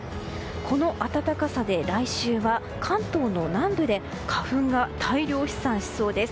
この暖かさで来週は関東の南部で花粉が大量飛散しそうです。